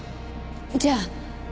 じゃあ。